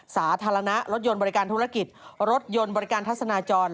สาธารณะรถยนต์บริการธุรกิจรถยนต์บริการทัศนาจร